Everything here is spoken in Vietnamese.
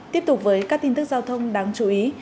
tiếp tục với các tin tức giao thông đáng chú ý